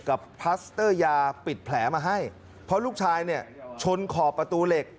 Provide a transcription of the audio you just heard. พลัสเตอร์ยาปิดแผลมาให้เพราะลูกชายเนี่ยชนขอบประตูเหล็ก